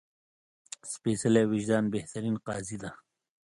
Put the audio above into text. سپېڅلی وجدان بهترین قاضي ده